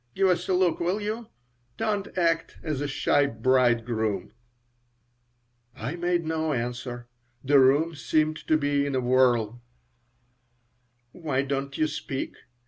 Give us a look, will you? Don't act as a shy bridegroom." I made no answer. The room seemed to be in a whirl "Why don't you speak?"